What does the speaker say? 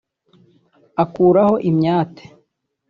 akuraho imyate